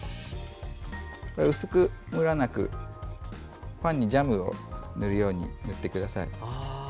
薄くムラなくパンにジャムを塗るように塗ってください。